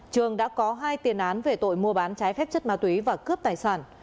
trường đã có hai tiền án về tội mua bán trái phép chất ma túy và cướp tài sản